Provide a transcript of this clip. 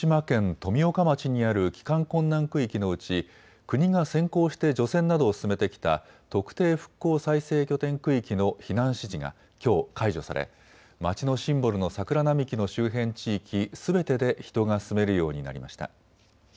富岡町にある帰還困難区域のうち国が先行して除染などを進めてきた特定復興再生拠点区域の避難指示がきょう解除され町のシンボルの桜並木の周辺地域すべてで人が住めるようになりました。